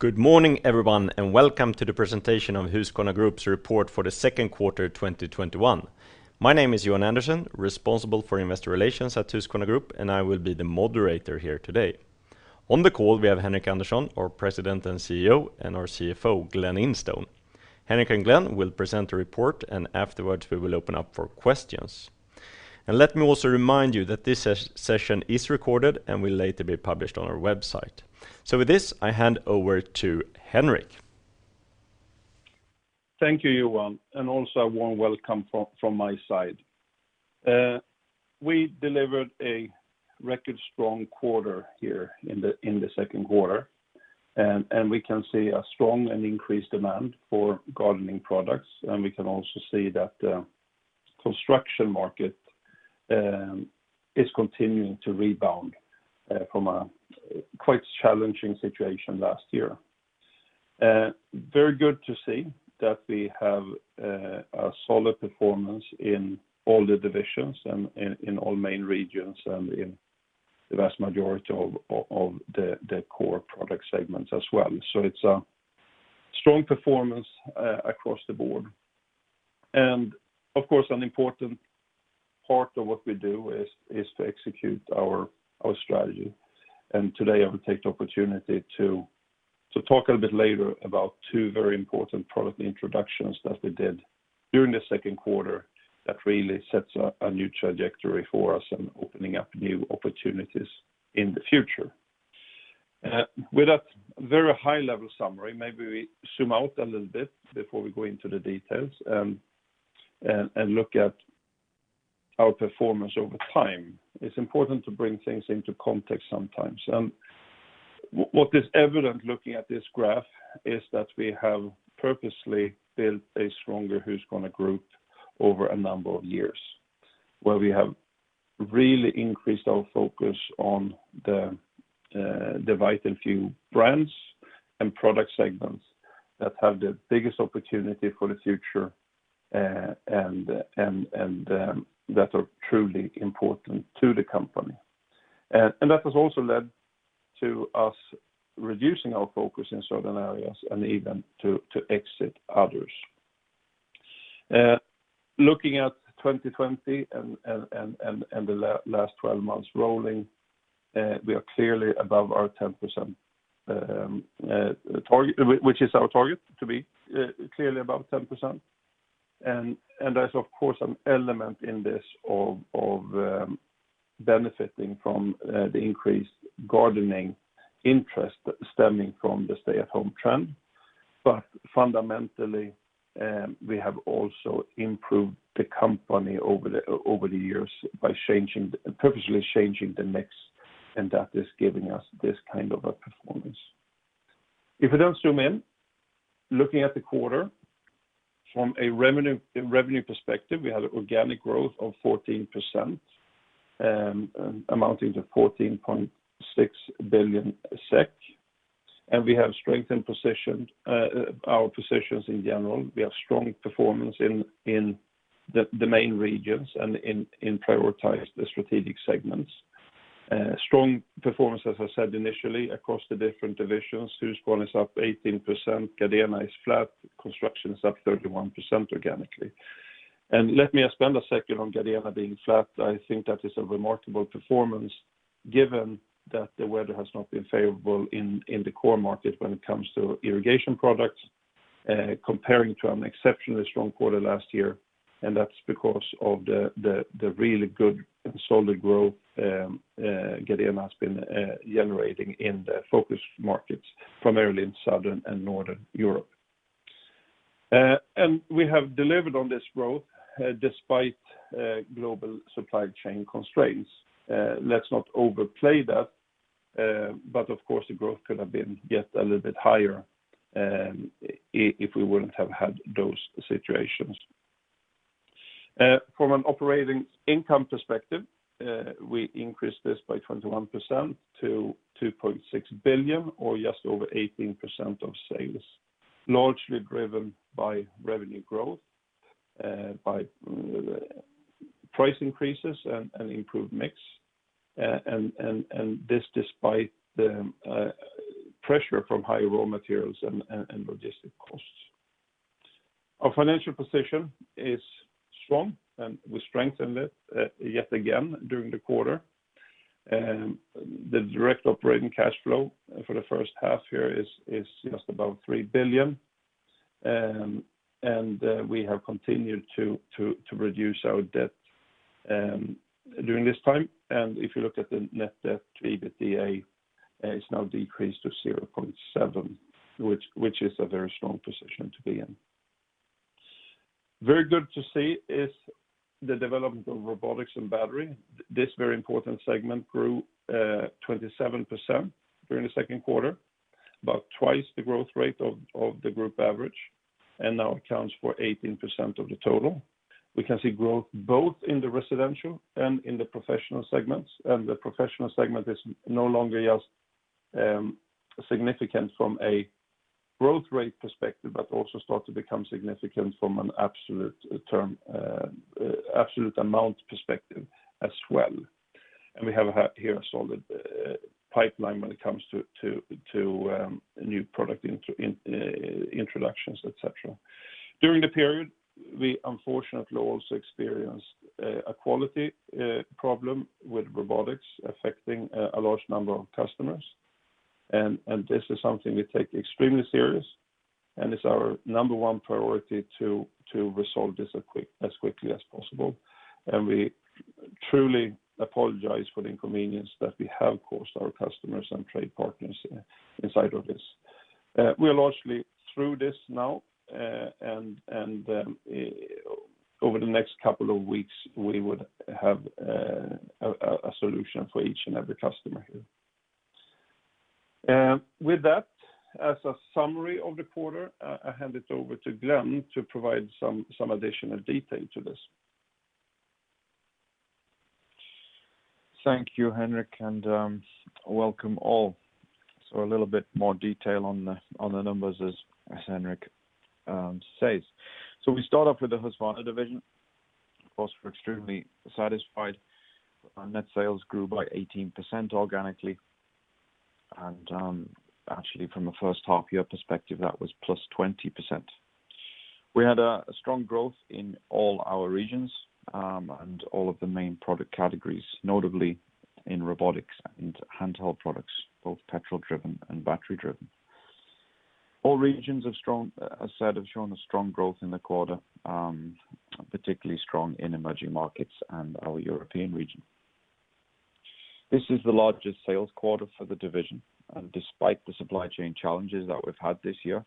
Good morning everyone, welcome to the presentation of Husqvarna Group's report for the second quarter 2021. My name is Johan Andersson, responsible for investor relations at Husqvarna Group, and I will be the moderator here today. On the call, we have Henric Andersson, our President and CEO, and our CFO, Glen Instone. Henric and Glen will present the report, and afterwards we will open up for questions. Let me also remind you that this session is recorded and will later be published on our website. With this, I hand over to Henric. Thank you, Johan, and also a warm welcome from my side. We delivered a record strong quarter here in the second quarter, and we can see a strong and increased demand for gardening products. We can also see that the construction market is continuing to rebound from a quite challenging situation last year. Very good to see that we have a solid performance in all the divisions and in all main regions and in the vast majority of the core product segments as well. It's a strong performance across the board. Of course, an important part of what we do is to execute our strategy. Today I will take the opportunity to talk a little bit later about two very important product introductions that we did during the second quarter that really sets a new trajectory for us and opening up new opportunities in the future. With that very high-level summary, maybe we zoom out a little bit before we go into the details and look at our performance over time. It's important to bring things into context sometimes. What is evident looking at this graph is that we have purposely built a stronger Husqvarna Group over a number of years, where we have really increased our focus on the vital few brands and product segments that have the biggest opportunity for the future and that are truly important to the company. That has also led to us reducing our focus in certain areas and even to exit others. Looking at 2020 and the last 12 months rolling, we are clearly above our 10% target, which is our target to be clearly above 10%. There's of course an element in this of benefiting from the increased gardening interest stemming from the stay-at-home trend. Fundamentally, we have also improved the company over the years by purposely changing the mix, and that is giving us this kind of a performance. If we now zoom in, looking at the quarter from a revenue perspective, we have organic growth of 14%, amounting to 14.6 billion SEK, and we have strengthened our positions in general. We have strong performance in the main regions and in prioritized strategic segments. Strong performance, as I said initially, across the different divisions. Husqvarna is up 18%, Gardena is flat, Construction is up 31% organically. Let me spend a second on Gardena being flat. I think that is a remarkable performance given that the weather has not been favorable in the core market when it comes to irrigation products, comparing to an exceptionally strong quarter last year. That's because of the really good and solid growth Gardena has been generating in the focus markets, primarily in Southern and Northern Europe. We have delivered on this growth despite global supply chain constraints. Let's not overplay that. Of course, the growth could have been yet a little bit higher if we wouldn't have had those situations. From an operating income perspective, we increased this by 21% to 2.6 billion, or just over 18% of sales, largely driven by revenue growth, by price increases, and improved mix. This despite the pressure from high raw materials and logistic costs. Our financial position is strong. We strengthened it yet again during the quarter. The direct operating cash flow for the first half here is just above 3 billion. We have continued to reduce our debt during this time. If you look at the net debt/EBITDA, it's now decreased to 0.7x, which is a very strong position to be in. Very good to see is the development of Robotics and Battery. This very important segment grew 27% during the second quarter, about twice the growth rate of the group average, and now accounts for 18% of the total. We can see growth both in the residential and in the professional segments. The professional segment is no longer just significant from a growth rate perspective, but also start to become significant from an absolute amount perspective as well. We have here a solid pipeline when it comes to new product introductions, et cetera. During the period, we unfortunately also experienced a quality problem with robotics affecting a large number of customers. This is something we take extremely serious, and it's our number one priority to resolve this as quickly as possible. We truly apologize for the inconvenience that we have caused our customers and trade partners inside of this. We are largely through this now, and over the next couple of weeks, we would have a solution for each and every customer here. With that, as a summary of the quarter, I hand it over to Glen to provide some additional detail to this. Thank you, Henric, and welcome all. A little bit more detail on the numbers as Henric says. We start off with the Husqvarna division. Of course, we're extremely satisfied. Our net sales grew by 18% organically, and actually from a first half year perspective, that was +20%. We had a strong growth in all our regions, and all of the main product categories, notably in robotics and handheld products, both petrol driven and battery driven. All regions have shown a strong growth in the quarter, particularly strong in emerging markets and our European region. This is the largest sales quarter for the division, and despite the supply chain challenges that we've had this year,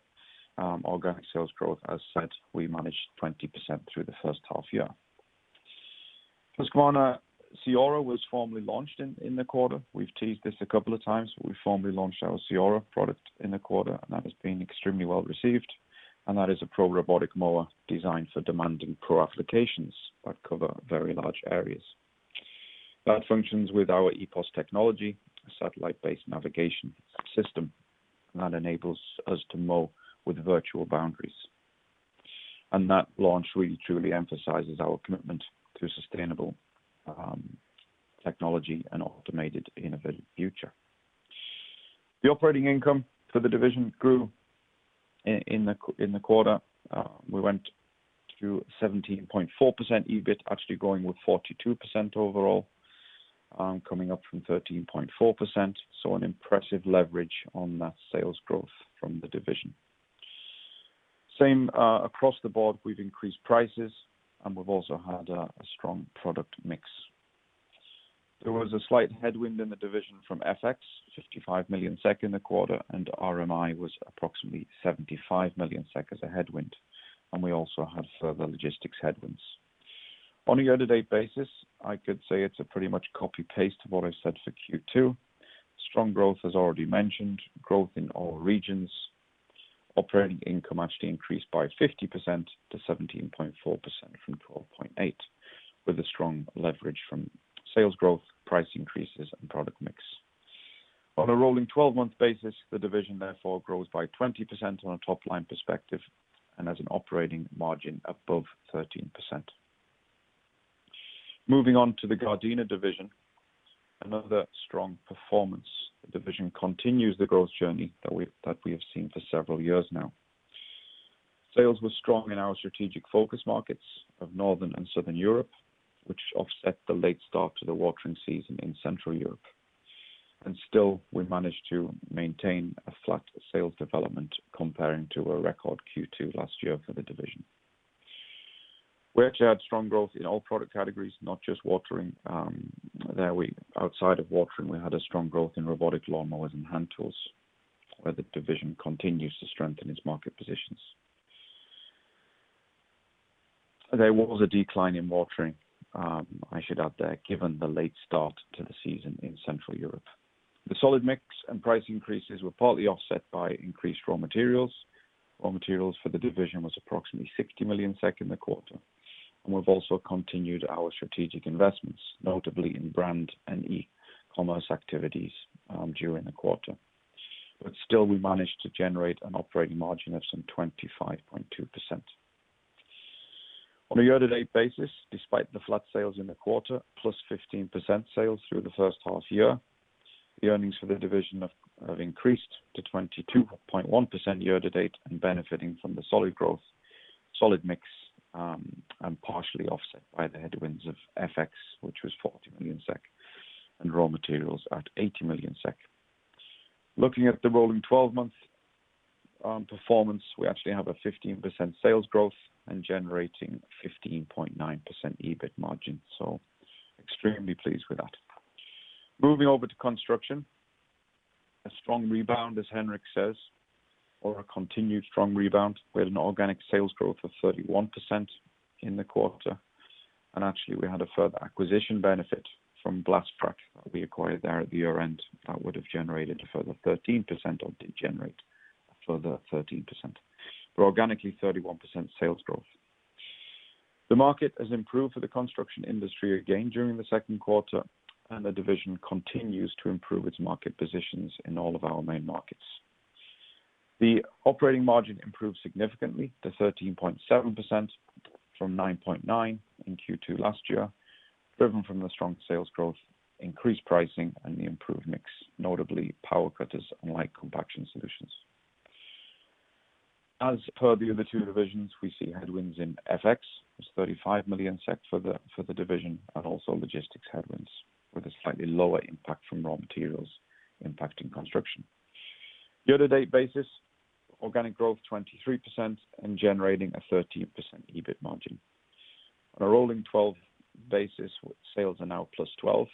organic sales growth, as said, we managed 20% through the first half year. Husqvarna CEORA was formally launched in the quarter. We've teased this a couple of times. We formally launched our CEORA product in the quarter, that has been extremely well-received, and that is a pro-robotic mower designed for demanding pro applications that cover very large areas. That functions with our EPOS technology, a satellite-based navigation system that enables us to mow with virtual boundaries. That launch really truly emphasizes our commitment to sustainable technology and automated innovative future. The operating income for the division grew in the quarter. We went to 17.4% EBIT, actually growing with 42% overall, coming up from 13.4%. An impressive leverage on that sales growth from the division. Same across the board, we've increased prices, we've also had a strong product mix. There was a slight headwind in the division from FX, 55 million SEK in the quarter, RMI was approximately 75 million SEK as a headwind, we also had further logistics headwinds. On a year-to-date basis, I could say it's a pretty much copy-paste of what I said for Q2. Strong growth as already mentioned, growth in all regions. Operating income actually increased by 50% to 17.4% from 12.8%, with a strong leverage from sales growth, price increases, and product mix. On a rolling 12-month basis, the division therefore grows by 20% on a top-line perspective and has an operating margin above 13%. Moving on to the Gardena division, another strong performance. The division continues the growth journey that we have seen for several years now. Sales were strong in our strategic focus markets of Northern and Southern Europe, which offset the late start to the watering season in Central Europe. Still, we managed to maintain a flat sales development comparing to a record Q2 last year for the division. We actually had strong growth in all product categories, not just watering. Outside of watering, we had a strong growth in robotic lawnmowers and hand tools, where the division continues to strengthen its market positions. There was a decline in watering, I should add there, given the late start to the season in Central Europe. The solid mix and price increases were partly offset by increased raw materials. Raw materials for the division was approximately 60 million SEK in the quarter. We've also continued our strategic investments, notably in brand and e-commerce activities during the quarter. Still, we managed to generate an operating margin of some 25.2%. On a year-to-date basis, despite the flat sales in the quarter, +15% sales through the first half year, the earnings for the division have increased to 22.1% year-to-date and benefiting from the solid growth, solid mix, and partially offset by the headwinds of FX, which was 40 million SEK, and raw materials at 80 million SEK. Looking at the rolling 12 months performance, we actually have a 15% sales growth and generating 15.9% EBIT margin. Extremely pleased with that. Moving over to Construction. A strong rebound, as Henric says, or a continued strong rebound with an organic sales growth of 31% in the quarter. Actually, we had a further acquisition benefit from Blastrac that we acquired there at the year-end that would have generated a further 13%, or did generate a further 13%. Organically, 31% sales growth. The market has improved for the construction industry again during Q2, and the division continues to improve its market positions in all of our main markets. The operating margin improved significantly to 13.7% from 9.9% in Q2 last year, driven from the strong sales growth, increased pricing, and the improved mix, notably power cutters and light compaction solutions. As per the other two divisions, we see headwinds in FX. It's 35 million SEK for the division and also logistics headwinds, with a slightly lower impact from raw materials impacting construction. Year-to-date basis, organic growth 23% and generating a 13% EBIT margin. On a rolling 12 basis, sales are now +12%.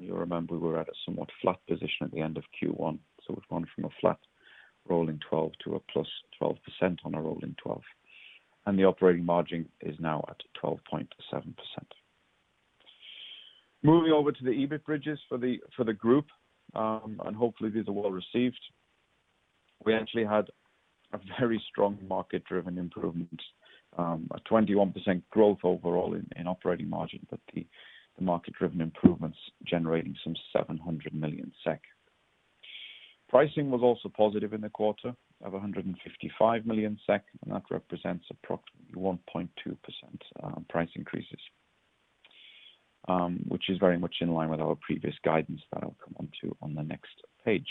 You'll remember we were at a somewhat flat position at the end of Q1, so we've gone from a flat rolling 12 to a +12% on a rolling 12. The operating margin is now at 12.7%. Moving over to the EBIT bridges for the group, hopefully these are well received. We actually had a very strong market-driven improvement, a 21% growth overall in operating margin. The market-driven improvements generating some 700 million SEK. Pricing was also positive in the quarter of 155 million SEK. That represents approximately 1.2% price increases, which is very much in line with our previous guidance that I'll come onto on the next page.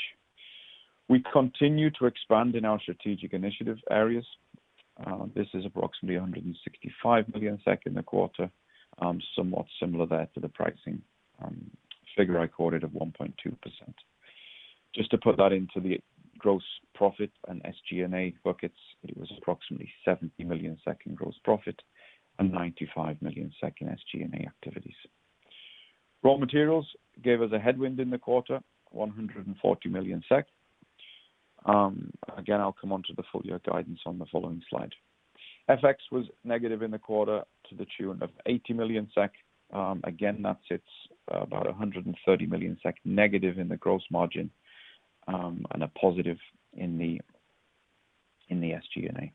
We continue to expand in our strategic initiative areas. This is approximately 165 million SEK in the quarter. Somewhat similar there to the pricing figure I quoted of 1.2%. Just to put that into the gross profit and SG&A buckets, it was approximately 70 million in gross profit and 95 million in SG&A activities. Raw materials gave us a headwind in the quarter, 140 million SEK. Again, I'll come onto the full-year guidance on the following slide. FX was negative in the quarter to the tune of 80 million SEK. Again, that sits about 130 million SEK negative in the gross margin, and a positive in the SG&A.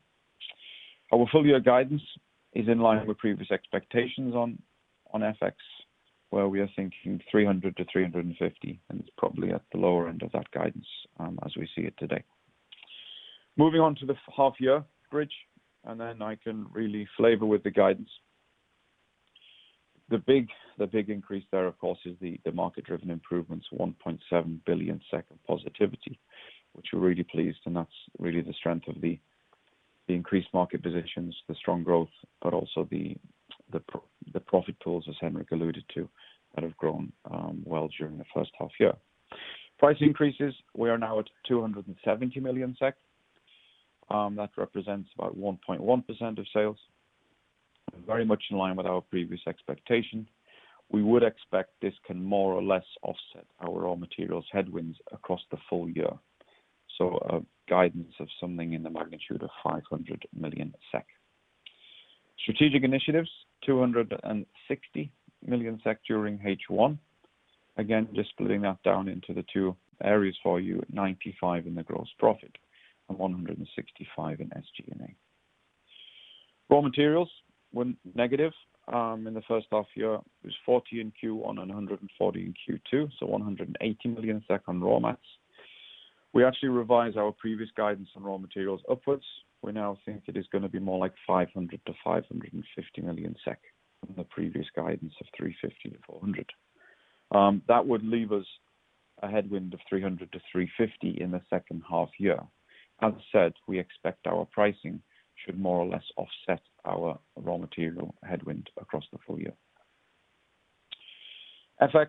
Our full-year guidance is in line with previous expectations on FX, where we are thinking 300 million-350 million, and it's probably at the lower end of that guidance as we see it today. Moving on to the half-year bridge. Then I can really flavor with the guidance. The big increase there, of course, is the market-driven improvements, 1.7 billion positivity, which we're really pleased, and that's really the strength of the increased market positions, the strong growth, but also the profit pools, as Henric alluded to, that have grown well during the first half year. Price increases, we are now at 270 million SEK. That represents about 1.1% of sales and very much in line with our previous expectation. We would expect this can more or less offset our raw materials headwinds across the full year. A guidance of something in the magnitude of 500 million SEK. Strategic initiatives, 260 million SEK during H1. Again, just splitting that down into the two areas for you, 95 million in the gross profit and 165 million in SG&A. Raw materials went negative in the first half year. It was 40 million in Q1 and 140 million in Q2, 180 million on raw mats. We actually revised our previous guidance on raw materials upwards. We now think it is going to be more like 500 million-550 million SEK from the previous guidance of 350 million-400 million. That would leave us a headwind of 300 million-350 million in the second half year. As said, we expect our pricing should more or less offset our raw material headwind across the full year. FX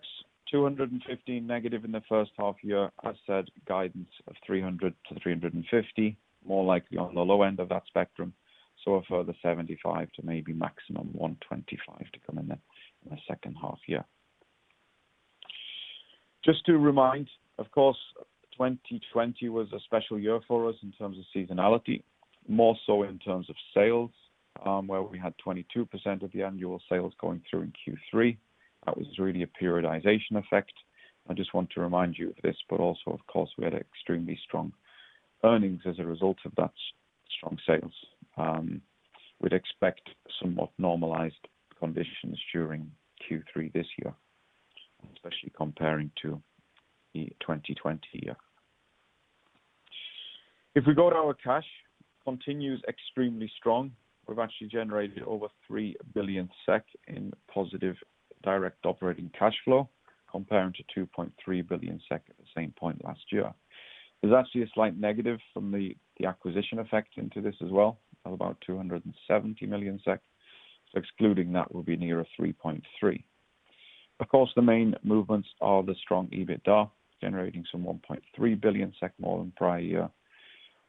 215 million negative in the first half year. As said, guidance of 300 million-350 million, more likely on the low end of that spectrum, a further 75 million to maybe maximum 125 million to come in the second half year. To remind, of course, 2020 was a special year for us in terms of seasonality, more so in terms of sales, where we had 22% of the annual sales going through in Q3. That was really a periodization effect. I just want to remind you of this, also, of course, we had extremely strong earnings as a result of that strong sales. We'd expect somewhat normalized conditions during Q3 this year, especially comparing to the 2020 year. If we go to our cash, continues extremely strong. We've actually generated over 3 billion SEK in positive direct operating cash flow, comparing to 2.3 billion SEK at the same point last year. There's actually a slight negative from the acquisition effect into this as well, of about 270 million SEK. Excluding that, we'll be nearer 3.3 billion. Of course, the main movements are the strong EBITDA, generating some 1.3 billion SEK more than prior year.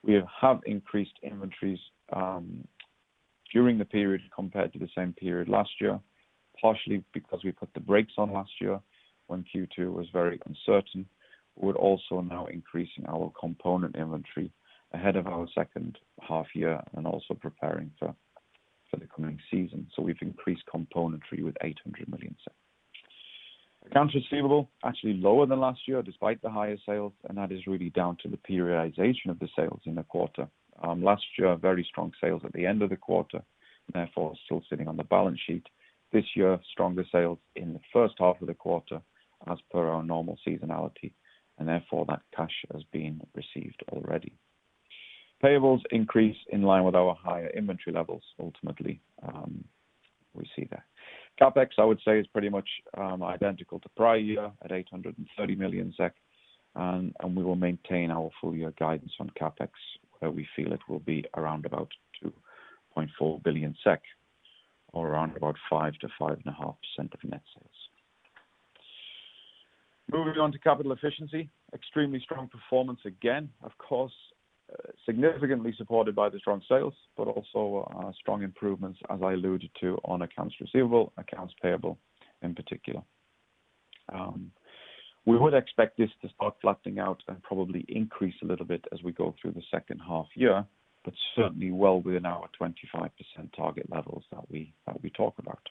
We have increased inventories during the period compared to the same period last year, partially because we put the brakes on last year when Q2 was very uncertain. We're also now increasing our component inventory ahead of our second half year and also preparing for the coming season. We've increased componentry with 800 million. Accounts receivable actually lower than last year despite the higher sales, that is really down to the periodization of the sales in the quarter. Last year, very strong sales at the end of the quarter, therefore still sitting on the balance sheet. This year, stronger sales in the first half of the quarter as per our normal seasonality, therefore that cash has been received already. Payables increase in line with our higher inventory levels, ultimately, we see that. CapEx, I would say, is pretty much identical to prior year at 830 million SEK. We will maintain our full-year guidance on CapEx, where we feel it will be around about 2.4 billion SEK or around about 5%-5.5% of net sales. Moving on to capital efficiency, extremely strong performance again, of course, significantly supported by the strong sales, also strong improvements, as I alluded to, on accounts receivable, accounts payable in particular. We would expect this to start flattening out and probably increase a little bit as we go through the second half year, certainly well within our 25% target levels that we talk about.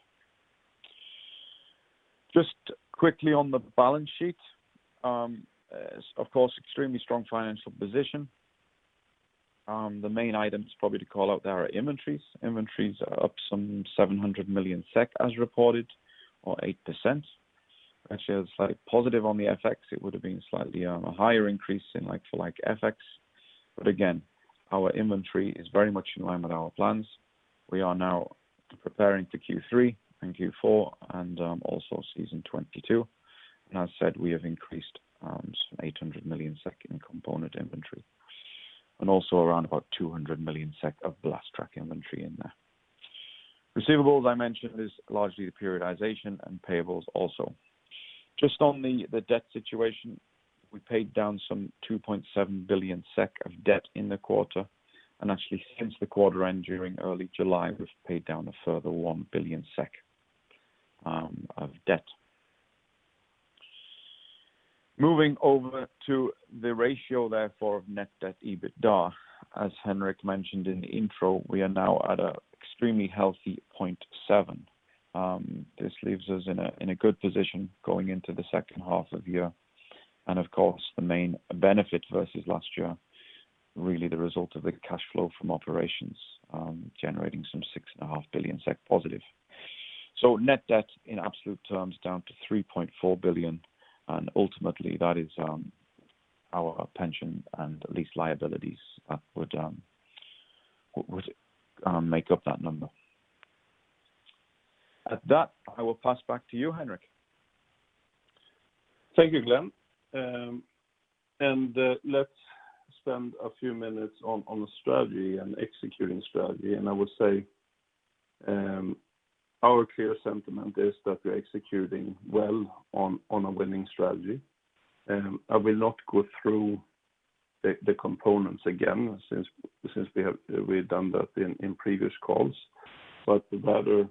Just quickly on the balance sheet. Of course, extremely strong financial position. The main items probably to call out there are inventories. Inventories are up some 700 million SEK as reported, or 8%. Actually, slightly positive on the FX. It would have been slightly a higher increase in like-for-like FX. Again, our inventory is very much in line with our plans. We are now preparing for Q3 and Q4 and also season 2022. As I said, we have increased some 800 million SEK in component inventory. Also around about 200 million SEK of Blastrac inventory in there. Receivables, I mentioned, is largely the periodization and payables also. Just on the debt situation, we paid down some 2.7 billion SEK of debt in the quarter. Actually, since the quarter end during early July, we've paid down a further 1 billion SEK of debt. Moving over to the ratio, therefore, of net debt/EBITDA. As Henric mentioned in the intro, we are now at an extremely healthy 0.7. This leaves us in a good position going into the second half of the year. Of course, the main benefit versus last year, really the result of the cash flow from operations, generating some 6.5 billion SEK positive. Net debt in absolute terms down to 3.4 billion, and ultimately that is our pension and lease liabilities would make up that number. At that, I will pass back to you, Henric. Thank you, Glen. Let's spend a few minutes on the strategy and executing strategy. I would say our clear sentiment is that we are executing well on a winning strategy. I will not go through the components again since we have done that in previous calls, but rather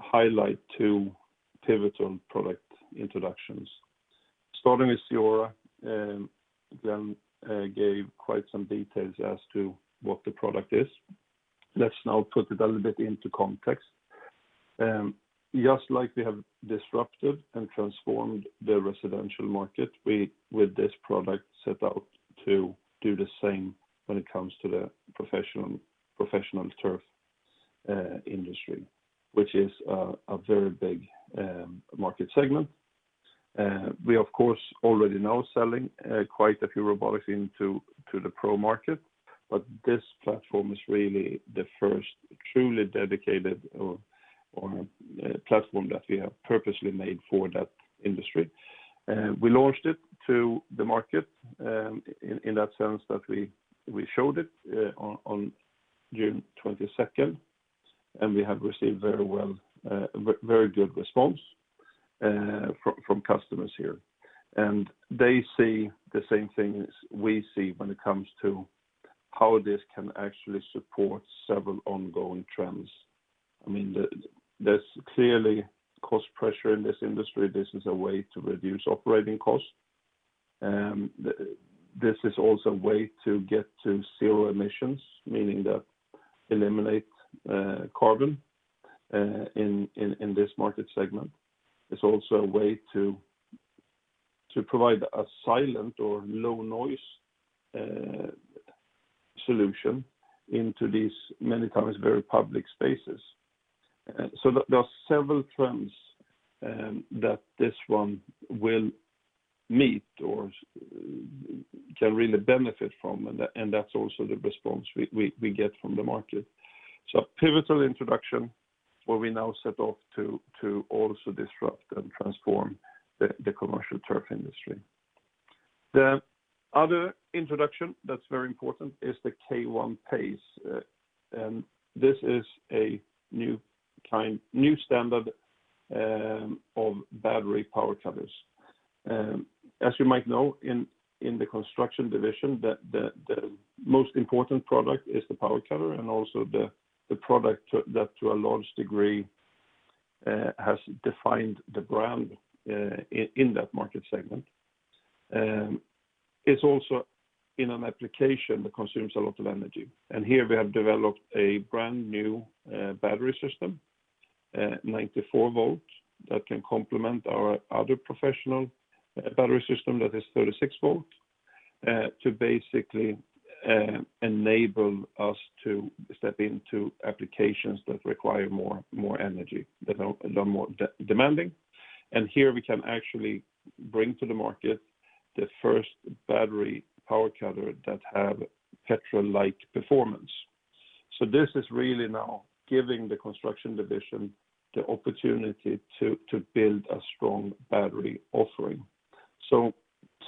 highlight two pivotal product introductions. Starting with CEORA, Glen gave quite some details as to what the product is. Let's now put it a little bit into context. Just like we have disrupted and transformed the residential market, we, with this product, set out to do the same when it comes to the professional turf industry, which is a very big market segment. We, of course, already now selling quite a few robotics into the pro market, but this platform is really the first truly dedicated platform that we have purposely made for that industry. We launched it to the market in that sense that we showed it on June 22nd. We have received very good response from customers here. They see the same things we see when it comes to how this can actually support several ongoing trends. There's clearly cost pressure in this industry. This is a way to reduce operating costs. This is also a way to get to zero emissions, meaning that eliminate carbon in this market segment. It's also a way to provide a silent or low noise solution into these many times very public spaces. There are several trends that this one will meet or can really benefit from, and that's also the response we get from the market. Pivotal introduction, where we now set off to also disrupt and transform the commercial turf industry. The other introduction that's very important is the K 1 PACE. This is a new standard of battery power cutters. As you might know, in the Construction Division, the most important product is the power cutter and also the product that to a large degree has defined the brand in that market segment. It's also in an application that consumes a lot of energy. Here we have developed a brand-new battery system, 94 V, that can complement our other professional battery system that is 36 V, to basically enable us to step into applications that require more energy, that are a lot more demanding. Here we can actually bring to the market the first battery power cutter that have petrol-like performance. This is really now giving the Construction Division the opportunity to build a strong battery offering.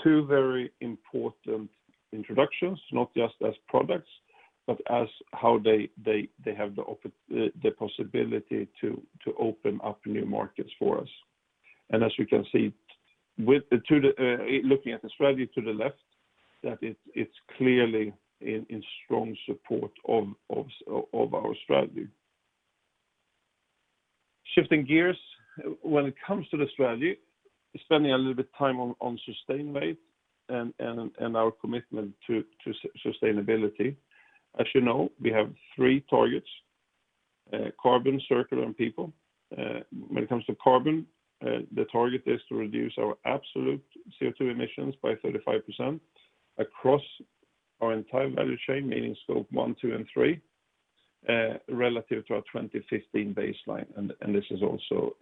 Two very important introductions, not just as products, but as how they have the possibility to open up new markets for us. As you can see, looking at the strategy to the left, that it's clearly in strong support of our strategy. Shifting gears. When it comes to the strategy, spending a little bit time on sustainability and our commitment to sustainability. As you know, we have three targets: carbon, circular, and people. When it comes to carbon, the target is to reduce our absolute CO2 emissions by 35% across our entire value chain, meaning scope 1, 2, and 3, relative to our 2015 baseline, and this is also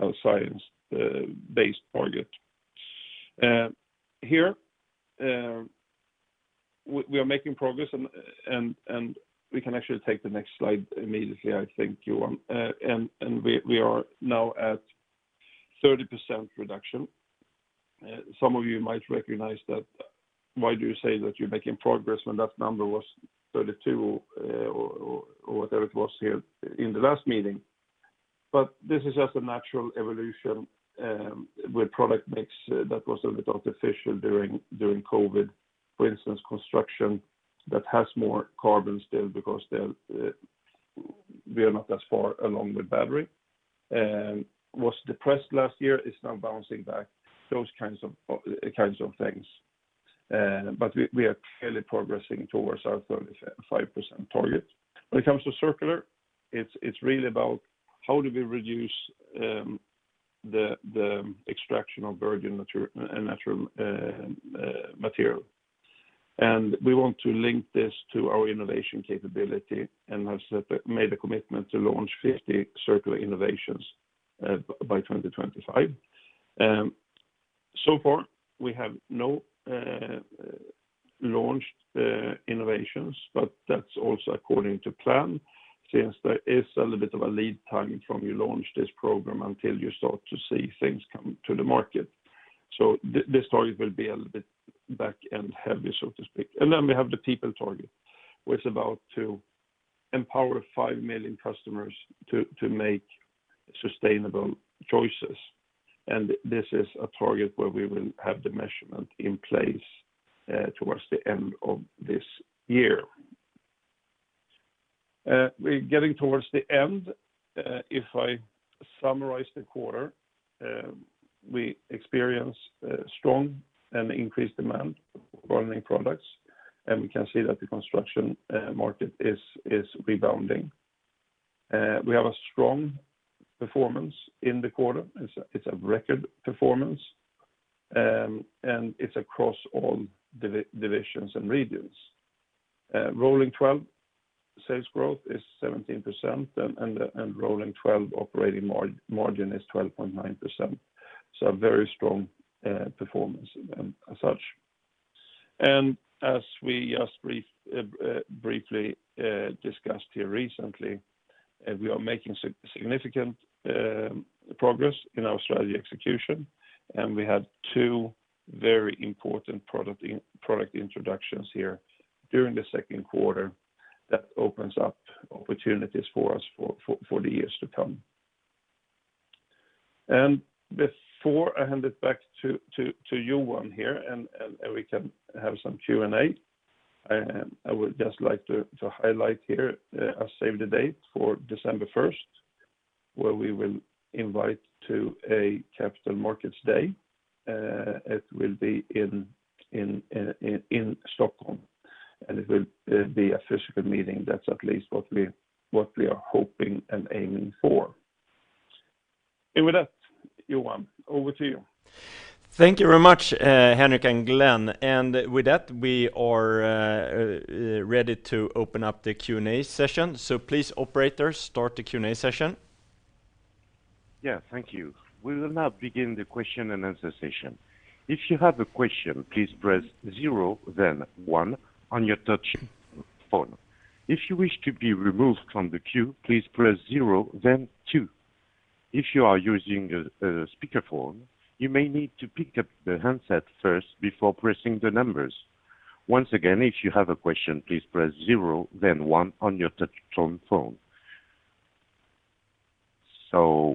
our science-based target. Here, we are making progress and we can actually take the next slide immediately, I think, Johan. We are now at 30% reduction. Some of you might recognize that, why do you say that you're making progress when that number was 32%, or whatever it was here in the last meeting? This is just a natural evolution with product mix that was a little bit artificial during COVID. For instance, construction, that has more carbon still because we are not as far along with battery, was depressed last year, it is now bouncing back. Those kinds of things. We are clearly progressing towards our 35% target. When it comes to circular, it is really about how do we reduce the extraction of virgin material? We want to link this to our innovation capability and have made a commitment to launch 50 circular innovations by 2025. Far, we have no launched innovations, that's also according to plan since there is a little bit of a lead time from you launch this program until you start to see things come to the market. This target will be a little bit back-end heavy, so to speak. We have the people target, where it's about to empower 5 million customers to make sustainable choices. This is a target where we will have the measurement in place towards the end of this year. We're getting towards the end. If I summarize the quarter, we experienced strong and increased demand for our leading products, we can see that the construction market is rebounding. We have a strong performance in the quarter. It's a record performance, it's across all divisions and regions. Rolling 12 sales growth is 17%, and rolling 12 operating margin is 12.9%. A very strong performance as such. As we just briefly discussed here recently, we are making significant progress in our strategy execution, and we had two very important product introductions here during the second quarter that opens up opportunities for us for the years to come. Before I hand it back to Johan here, and we can have some Q&A, I would just like to highlight here our save the date for December 1st, where we will invite to a Capital Markets Day. It will be in Stockholm, and it will be a physical meeting. That's at least what we are hoping and aiming for. With that, Johan, over to you. Thank you very much, Henric and Glen. With that, we are ready to open up the Q&A session. Please, operator, start the Q&A session. Yeah, thank you.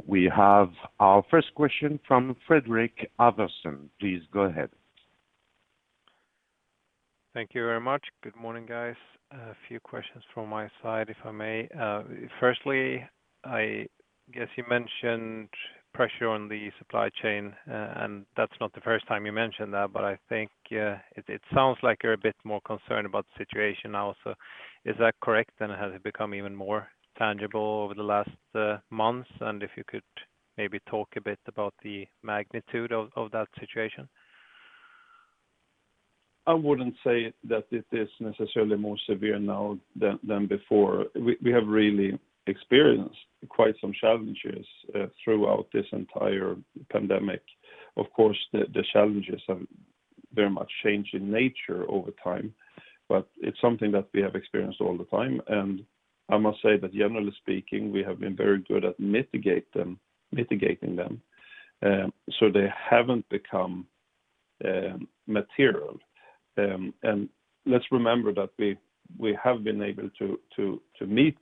We have our first question from Fredrik Ivarsson. Please go ahead. Thank you very much. Good morning, guys. A few questions from my side, if I may. Firstly, I guess you mentioned pressure on the supply chain, and that's not the first time you mentioned that, but I think it sounds like you're a bit more concerned about the situation now. Is that correct, and has it become even more tangible over the last months? If you could maybe talk a bit about the magnitude of that situation. I wouldn't say that it is necessarily more severe now than before. We have really experienced quite some challenges throughout this entire pandemic. Of course, the challenges have very much changed in nature over time, but it's something that we have experienced all the time. I must say that generally speaking, we have been very good at mitigating them, so they haven't become material. Let's remember that we have been able to meet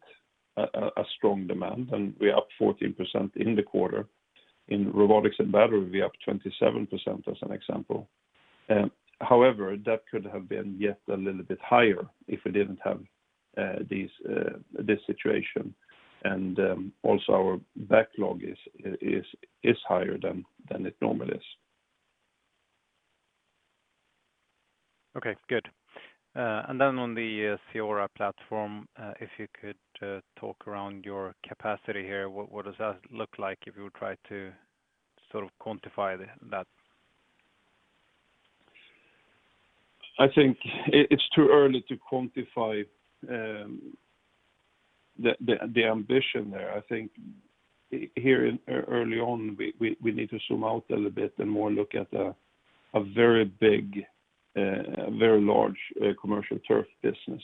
a strong demand, and we are up 14% in the quarter. In robotics and battery, we are up 27%, as an example. However, that could have been yet a little bit higher if we didn't have this situation. Also our backlog is higher than it normally is. Okay, good. On the CEORA platform, if you could talk around your capacity here, what does that look like if you would try to quantify that? I think it's too early to quantify the ambition there. I think here early on, we need to zoom out a little bit and more look at a very big, very large commercial turf business.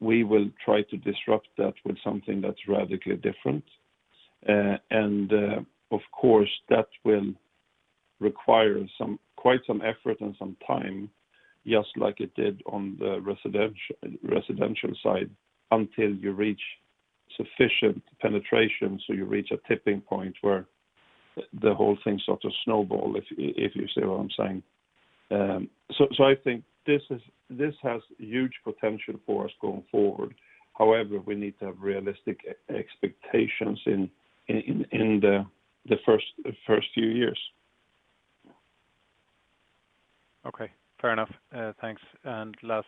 We will try to disrupt that with something that's radically different. Of course, that will require quite some effort and some time, just like it did on the residential side, until you reach sufficient penetration, so you reach a tipping point where the whole thing sort of snowballs, if you see what I'm saying. I think this has huge potential for us going forward. However, we need to have realistic expectations in the first few years. Okay. Fair enough. Thanks. Last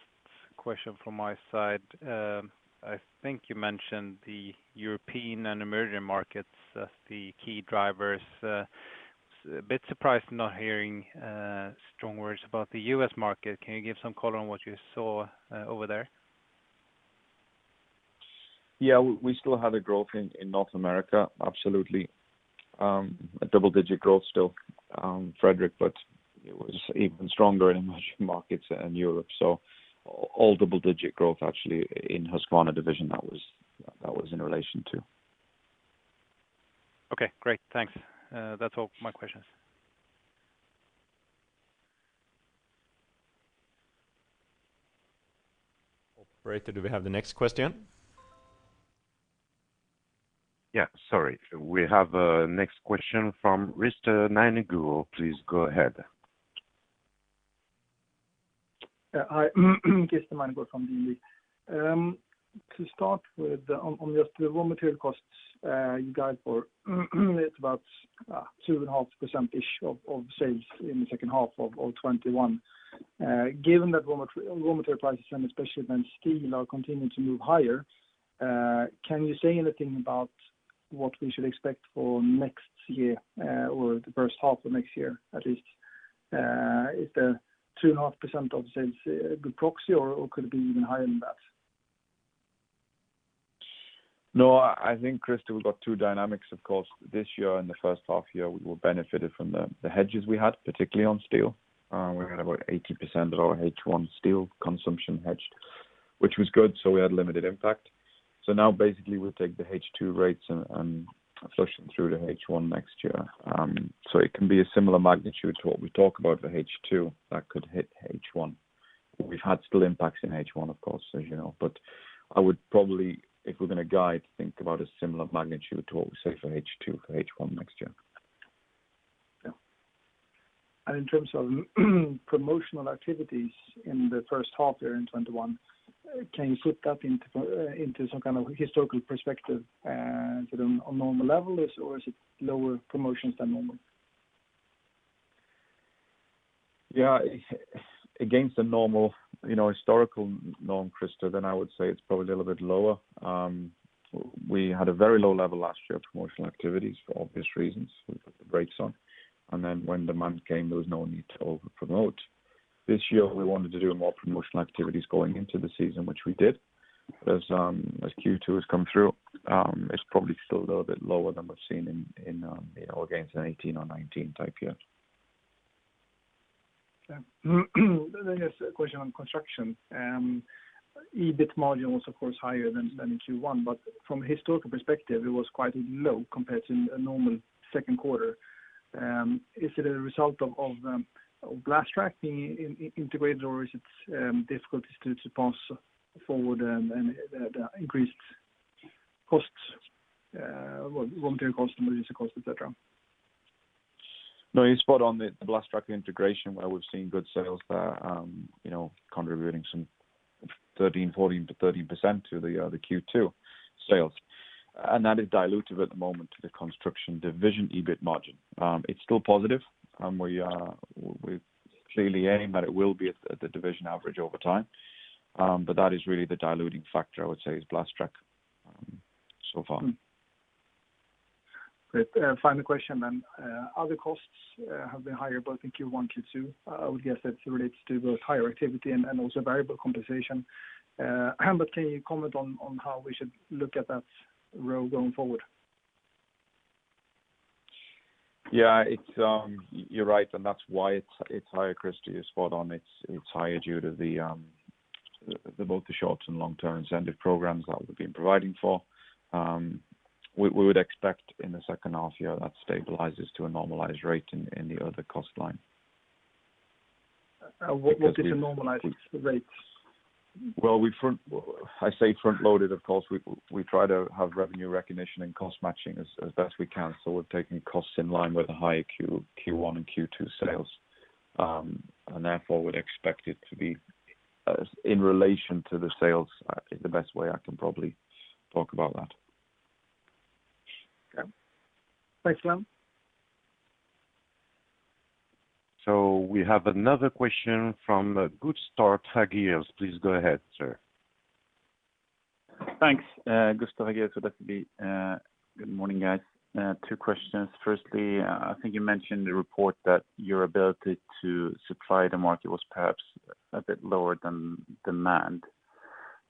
question from my side. I think you mentioned the European and emerging markets as the key drivers. A bit surprised not hearing strong words about the U.S. market. Can you give some color on what you saw over there? Yeah, we still have a growth in North America, absolutely. A double-digit growth still, Fredrik, but it was even stronger in emerging markets in Europe. All double-digit growth actually in Husqvarna division that was in relation to. Okay, great. Thanks. That's all my questions. Operator, do we have the next question? Yeah, sorry. We have next question from Christer Magnergård. Please go ahead. Hi, Christer Magnergård from DNB. To start with, on just the raw material costs you guide for, it's about 2.5% ish of sales in the second half of 2021. Given that raw material prices, and especially then steel, are continuing to move higher, can you say anything about what we should expect for next year or the first half of next year, at least? Is the 2.5% of sales a good proxy, or could it be even higher than that? No, I think, Christer, we've got two dynamics, of course. This year, in the first half year, we will benefit it from the hedges we had, particularly on steel. We had about 80% of our H1 steel consumption hedged, which was good, so we had limited impact. Now basically we'll take the H2 rates and flush them through to H1 next year. It can be a similar magnitude to what we talk about for H2 that could hit H1. We've had steel impacts in H1, of course, as you know. I would probably, if we're going to guide, think about a similar magnitude to what we say for H2 for H1 next year. Yeah. In terms of promotional activities in the first half year in 2021, can you put that into some kind of historical perspective? Is it on normal level or is it lower promotions than normal? Yeah. Against the normal, historical norm, Christer, then I would say it's probably a little bit lower. We had a very low level last year of promotional activities for obvious reasons. We put the brakes on, and then when demand came, there was no need to overpromote. This year, we wanted to do more promotional activities going into the season, which we did. As Q2 has come through, it's probably still a little bit lower than we've seen against an 2018 or 2019 type year. Okay. There's a question on construction. EBIT margin was, of course, higher than in Q1, from a historical perspective, it was quite low compared to a normal second quarter. Is it a result of Blastrac integrated, or is it difficulties to pass forward the increased costs, raw material costs, logistic costs, et cetera? No, you're spot on. The Blastrac integration, where we've seen good sales there, contributing some 13%, 14% to 13% to the Q2 sales. That is dilutive at the moment to the construction division EBIT margin. It's still positive. We clearly aim that it will be at the division average over time. That is really the diluting factor, I would say, is Blastrac so far. Great. Final question. Other costs have been higher both in Q1, Q2. I would guess that relates to both higher activity and also variable compensation. Can you comment on how we should look at that row going forward? Yeah, you're right, that's why it's higher, Chris, you're spot on. It's higher due to both the short-term and long-term incentive programs that we've been providing for. We would expect in the second half-year, that stabilizes to a normalized rate in the other cost line. What would be the normalized rates? Well, I say front loaded, of course. We try to have revenue recognition and cost matching as best we can. We're taking costs in line with the higher Q1 and Q2 sales. Therefore, would expect it to be in relation to the sales is the best way I can probably talk about that. Okay. Thanks. We have another question from Gustav Hagéus. Please go ahead, sir. Thanks, Gustav Hagéus with SEB. Good morning, guys. Two questions. Firstly, I think you mentioned in the report that your ability to supply the market was perhaps a bit lower than demand.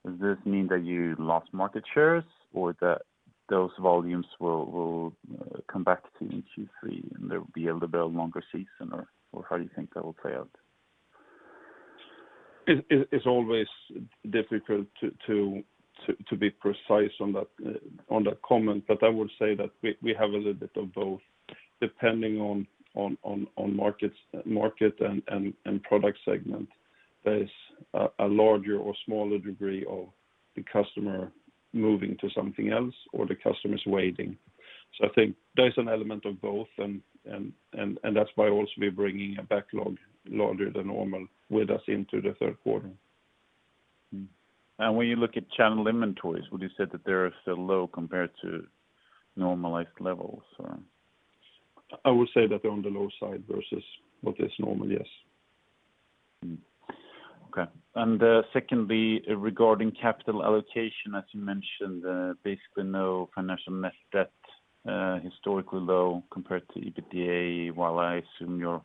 Does this mean that you lost market shares or that those volumes will come back to you in Q3, and they'll be able to build a longer season? How do you think that will play out? It's always difficult to be precise on that comment, but I would say that we have a little bit of both, depending on market and product segment. There is a larger or smaller degree of the customer moving to something else or the customer's waiting. I think there's an element of both, and that's why also we're bringing a backlog larger than normal with us into the third quarter. When you look at channel inventories, would you say that they're still low compared to normalized levels? I would say that they're on the low side versus what is normal, yes. Okay. Secondly, regarding capital allocation, as you mentioned, basically no financial net debt, historically low compared to EBITDA, while I assume your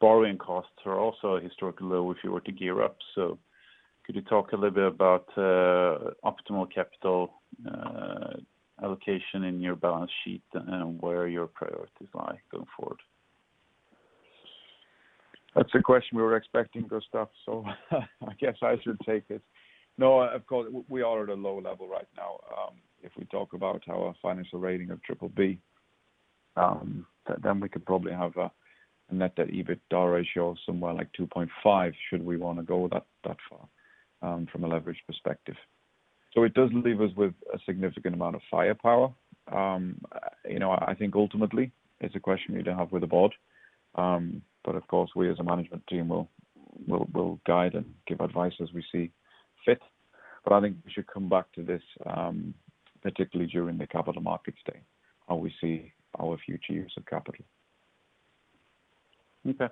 borrowing costs are also historically low if you were to gear up. Could you talk a little bit about optimal capital allocation in your balance sheet and where your priorities lie going forward? That's a question we were expecting, Gustav, so I guess I should take it. No, of course, we are at a low level right now. If we talk about our financial rating of BBB, then we could probably have a net debt/EBITDA ratio of somewhere like 2.5x should we want to go that far from a leverage perspective. It does leave us with a significant amount of firepower. I think ultimately it's a question you'd have with the board, but of course, we as a management team will guide and give advice as we see fit. I think we should come back to this, particularly during the Capital Markets Day, how we see our future use of capital. Okay.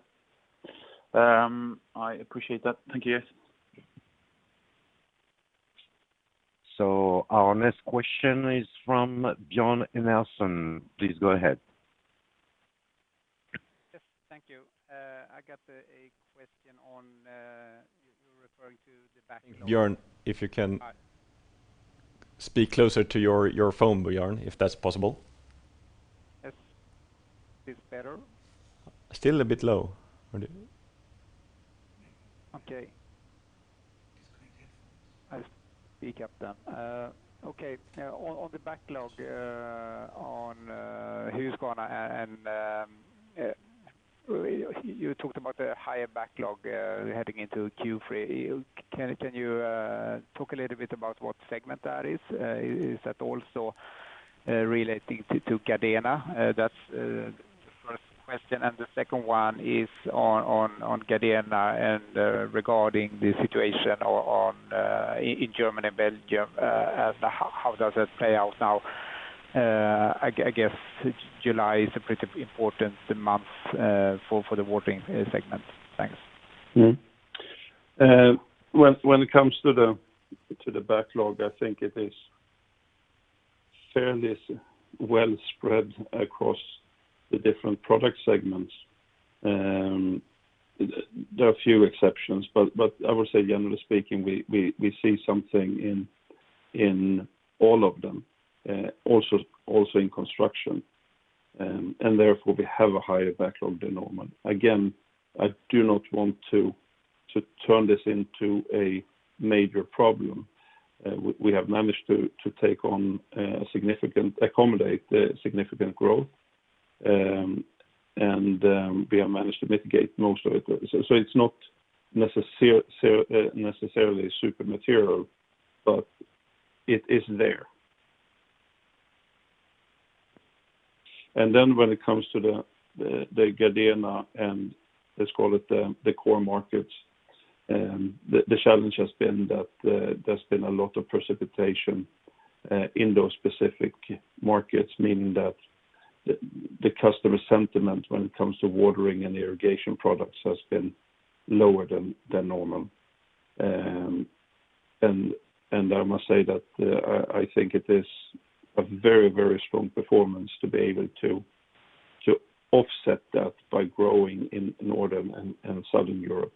I appreciate that. Thank you. Our next question is from Björn Enarson. Please go ahead. Yes. Thank you. I got a question on, you were referring to the backlog. Björn, if you can speak closer to your phone, Björn, if that's possible. Yes. Is this better? Still a bit low. Okay. I'll speak up then. Okay. On the backlog, on Husqvarna, and you talked about the higher backlog heading into Q3. Can you talk a little bit about what segment that is? Is that also relating to Gardena? That's the first question. The second one is on Gardena and regarding the situation in Germany and Belgium. How does it play out now? I guess July is a pretty important month for the watering segment. Thanks. When it comes to the backlog, I think it is fairly well spread across the different product segments. There are a few exceptions, but I would say generally speaking, we see something in all of them, also in construction. Therefore, we have a higher backlog than normal. Again, I do not want to turn this into a major problem. We have managed to accommodate significant growth, and we have managed to mitigate most of it. It's not necessarily super material. It is there. When it comes to the Gardena and let's call it the core markets, the challenge has been that there's been a lot of precipitation in those specific markets, meaning that the customer sentiment when it comes to watering and irrigation products has been lower than normal. I must say that I think it is a very strong performance to be able to offset that by growing in Northern and Southern Europe,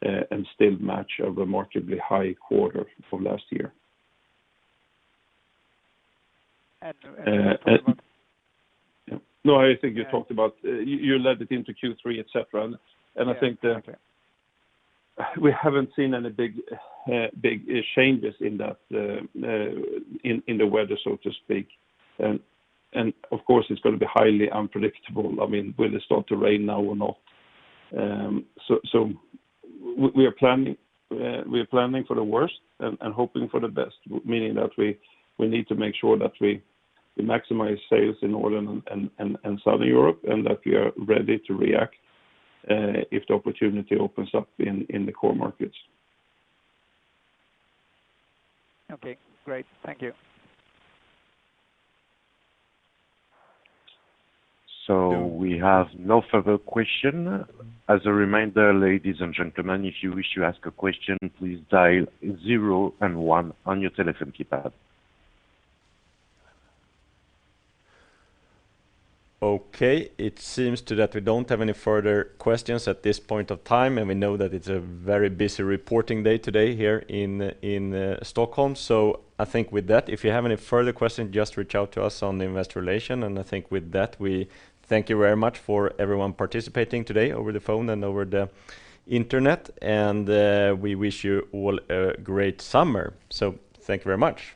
and still match a remarkably high quarter from last year. And you talked about- No, I think you talked about, you led it into Q3, et cetera. Yeah, okay. I think that we haven't seen any big changes in the weather, so to speak. Of course, it's going to be highly unpredictable. Will it start to rain now or not? We are planning for the worst and hoping for the best, meaning that we need to make sure that we maximize sales in Northern and Southern Europe, and that we are ready to react if the opportunity opens up in the core markets. Okay, great. Thank you. We have no further question. Okay. It seems that we don't have any further questions at this point of time. We know that it's a very busy reporting day today here in Stockholm. I think with that, if you have any further questions, just reach out to us on the investor relation. I think with that, we thank you very much for everyone participating today over the phone and over the Internet. We wish you all a great summer. Thank you very much.